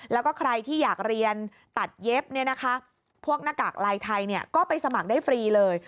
แล้วก็ใครที่อยากเรียนตัดเย็บพวกหน้ากากลายไทยก็ไปสมัครได้ฟรีเลย